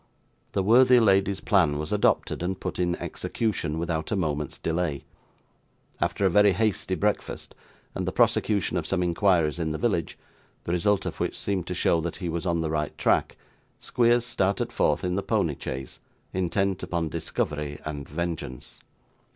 The worthy lady's plan was adopted and put in execution without a moment's delay. After a very hasty breakfast, and the prosecution of some inquiries in the village, the result of which seemed to show that he was on the right track, Squeers started forth in the pony chaise, intent upon discovery and vengeance.